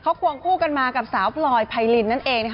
เค้ากว้างคู่กันมากับสาวปลอยไพรน์นั่นเอง